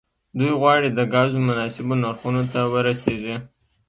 دوی غواړي د ګازو مناسبو نرخونو ته ورسیږي